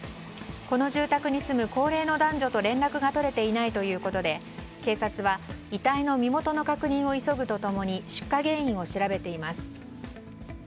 この住宅に住む高齢の男女と連絡が取れていないということで警察は遺体の身元の確認を急ぐと共に出火原因を調べています。